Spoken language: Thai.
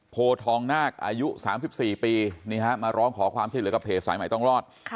โธทองนาคอายุ๓๔ปีมาร้องขอความชิดเร็วกับเพจสายใหม่ต้องรอด